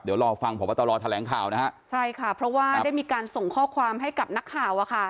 เดี๋ยวรอฟังพบตรแถลงข่าวนะฮะใช่ค่ะเพราะว่าได้มีการส่งข้อความให้กับนักข่าวอะค่ะ